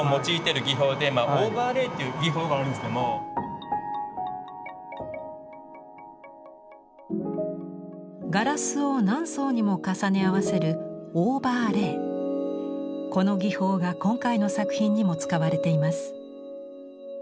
これがまあガラスを何層にも重ね合わせるこの技法が今回の作品にも使われています。